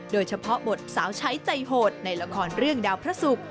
โดยเฉพาะบทสาวใช้ใจโหดในละครเรื่องดาวพระศุกร์